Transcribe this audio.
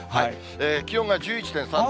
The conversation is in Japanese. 気温が１１．３度。